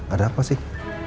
ada apa sih